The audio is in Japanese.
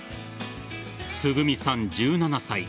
つぐみさん、１７歳。